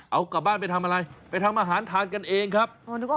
เอากลับบ้านไปทำอะไรไปทำอาหารทานกันเองครับ